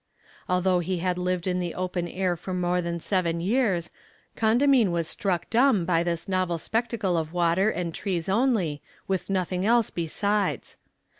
Although he had lived in the open air for more than seven years, Condamine was struck dumb by this novel spectacle of water and trees only, with nothing else besides.